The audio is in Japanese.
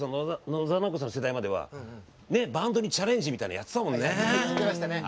野沢直子さんの世代まではバンドにチャレンジみたいなのやってたもんね。